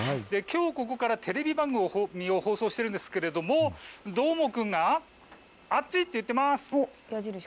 きょうここからテレビ番組を放送しているんですけれどもどーもくんがあっちと言っています。